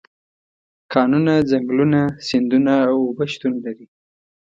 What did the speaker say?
کانونه، ځنګلونه، سیندونه او اوبه شتون لري.